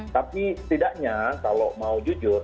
tapi setidaknya kalau mau jujur